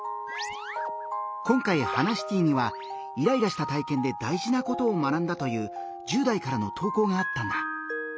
今回「ハナシティ」にはイライラした体験で大事なことを学んだという１０代からの投稿があったんだ。